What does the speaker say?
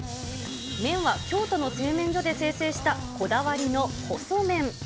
麺は京都の製麺所で生成したこだわりの細麺。